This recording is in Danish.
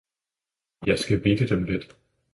- Jeg skal hvidte dem lidt!